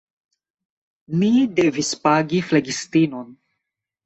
Ni devis pagi flegistinon.